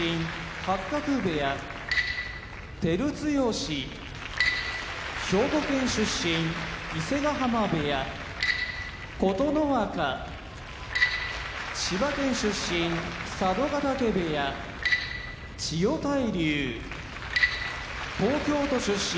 八角部屋照強兵庫県出身伊勢ヶ濱部屋琴ノ若千葉県出身佐渡ヶ嶽部屋千代大龍東京都出身